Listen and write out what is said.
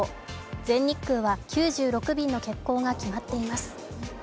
全日空は９６便の欠航が決まっています。